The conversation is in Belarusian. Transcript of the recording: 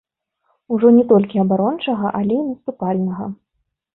Ужо не толькі абарончага, але і наступальнага.